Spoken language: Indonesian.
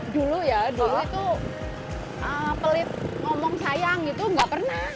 dulu ya dulu itu pelit ngomong sayang gitu nggak pernah